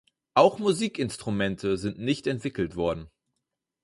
Auch Musikinstrumente sind nicht entwickelt worden.